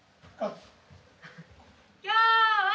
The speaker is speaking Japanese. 今日は。